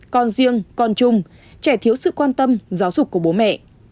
con riêng con chung trẻ thiếu sự quan tâm giáo dục của bố mẹ